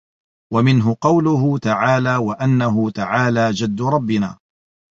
وَمِنْهُ قَوْله تَعَالَى وَأَنَّهُ تَعَالَى جَدُّ رَبِّنَا